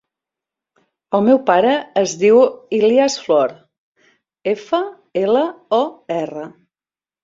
El meu pare es diu Ilyas Flor: efa, ela, o, erra.